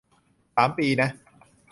สามปี นะ